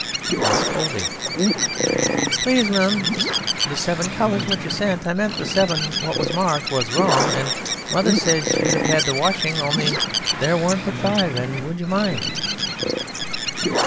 MISS COBLEY: Please, m'm, the seven collars, what you sent I mean the seven what was marked was wrong, And mother says as you'd have had the washing Only there weren't but five, and would you mind....